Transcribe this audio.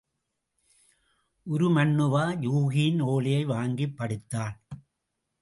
உருமண்ணுவா, யூகியின் ஒலையை வாங்கிப் படித்தான்.